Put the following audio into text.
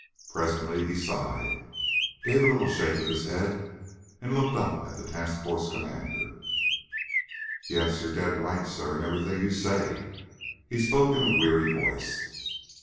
Presently he sighed, gave a little shake of his head, and looked up at the task force commander. "Yes, you're dead right, sir, in everything you say," he spoke in a weary voice.